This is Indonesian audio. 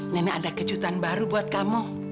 nenek ada kejutan baru buat kamu